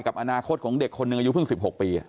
อนาคตของเด็กคนหนึ่งอายุเพิ่ง๑๖ปี